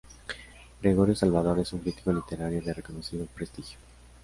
Gregorio Salvador es un crítico literario de reconocido prestigio.